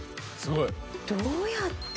どうやって？